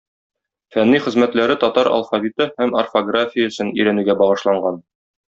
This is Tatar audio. Фәнни хезмәтләре татар алфавиты һәм орфографиясен өйрәнүгә багышланган.